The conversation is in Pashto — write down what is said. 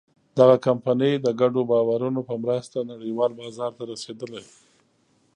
دغه کمپنۍ د ګډو باورونو په مرسته نړۍوال بازار ته رسېدلې.